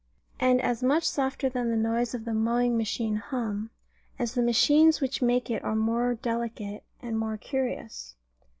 And as much softer than the noise of mowing machine hum, as the machines which make it are more delicate and more curious.